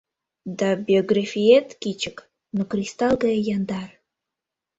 — Да, биографиет кӱчык, но кристалл гае яндар.